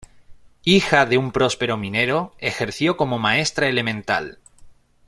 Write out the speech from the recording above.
Hija de un próspero minero, ejerció como maestra elemental.